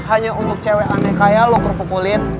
hanya untuk cewek aneh kaya lo kropokolit